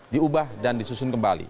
diubah dan disusun kembali